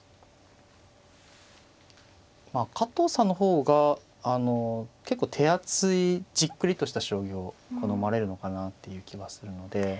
加藤さんの方が結構手厚いじっくりとした将棋を好まれるのかなっていう気はするので。